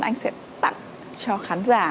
anh sẽ tặng cho khán giả